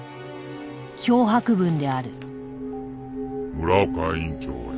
「村岡院長へ」